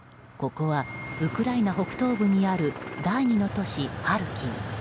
ここはウクライナ北東部にある第２の都市ハルキウ。